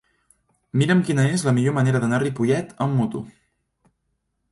Mira'm quina és la millor manera d'anar a Ripollet amb moto.